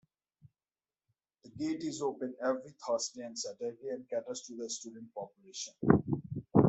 The Gait is open every Thursday and Saturday, and caters to the student population.